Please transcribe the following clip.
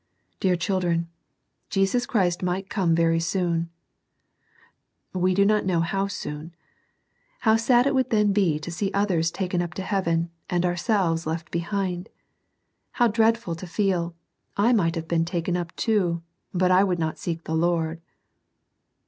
Dear children, Jesus Christ might come very soon. We do not know how soon. How sad it would then be to see others taken up to heaven, and ourselves left behind ! How dreadful to feel, " I might have been taken up too, but I would not seek the Lord